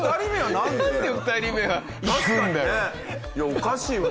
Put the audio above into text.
おかしいよ